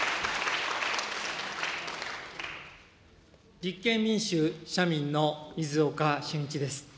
立憲民主・社民の水岡俊一です。